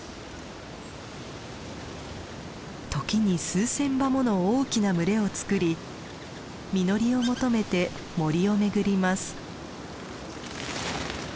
時に数千羽もの大きな群れを作り実りを求めて森を巡ります。